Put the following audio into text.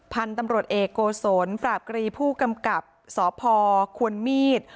พันธุ์ตำรวจเอกโกศลปราบกรีผู้กำกับสพควรมีด